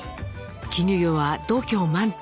絹代は度胸満点。